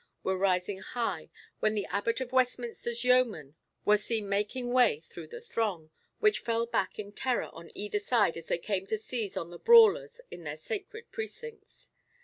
were rising high when the Abbot of Westminster's yeomen were seen making way through the throng, which fell back in terror on either side as they came to seize on the brawlers in their sacred precincts.